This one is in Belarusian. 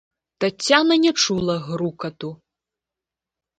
Таццяна не чула грукату.